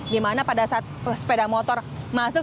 di mana pada saat pesepeda motor masuk